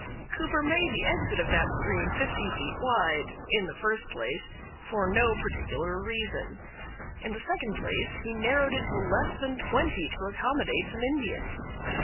Cooper made the exit of that stream fifty feet wide, in the first place, for no particular reason; in the second place, he narrowed it to less than twenty to accommodate some Indians.